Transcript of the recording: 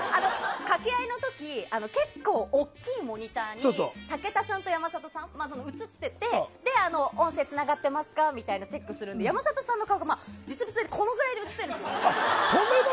掛け合いの時結構大きいモニターに武田さんと山里さんが映ってて音声がつながっていますか？っていうチェックするので山里さんの顔が実物でこのくらいで映ってるんです。